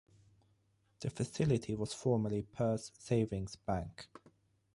The facility was formerly Perth Savings Bank.